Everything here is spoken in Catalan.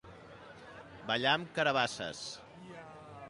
Ballar amb carabasses.